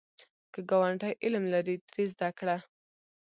که ګاونډی علم لري، ترې زده کړه